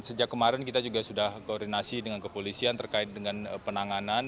sejak kemarin kita juga sudah koordinasi dengan kepolisian terkait dengan penanganan